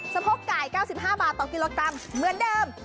สะโพกไก่๙๕บาทต่อกิโลกรัมเหมือนเดิม